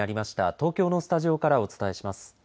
東京のスタジオからお伝えします。